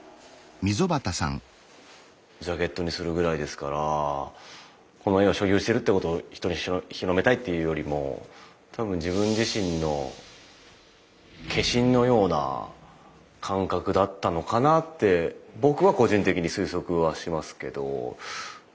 ジャケットにするぐらいですからこの絵を所有してるってことを人に広めたいっていうよりも多分自分自身の化身のような感覚だったのかなって僕は個人的に推測はしますけど。